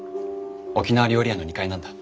沖縄料理屋の２階なんだ。